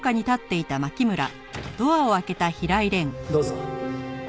どうぞ。